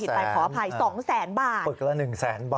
มีพิธีรักษาเปิดก็ละ๑๐๐๐๐๐บาทครับ